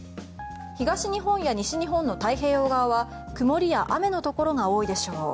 東日本や西日本の太平洋側は曇りや雨のところが多いでしょう。